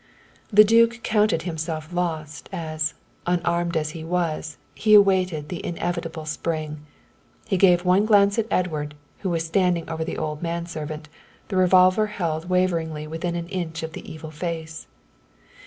The duke counted himself lost, as, unarmed as he was, he awaited the inevitable spring. He gave one glance at Edward, who was standing over the old manservant, the revolver held waveringly within an inch of the evil face.